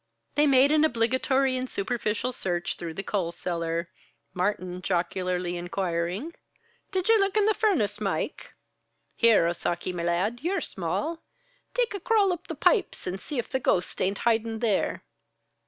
They made an obligatory and superficial search through the coal cellar. Martin jocularly inquiring: "Did ye look in the furnace, Mike? Here Osaki, me lad, ye're small. Take a crawl oop the poipes and see if the ghost ain't hidin' there."